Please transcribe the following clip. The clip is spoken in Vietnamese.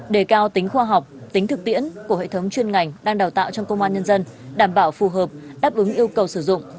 đề cao tính khoa học tính thực tiễn của hệ thống chuyên ngành đang đào tạo trong công an nhân dân đảm bảo phù hợp đáp ứng yêu cầu sử dụng